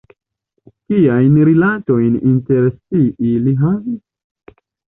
Kiajn rilatojn inter si ili havis?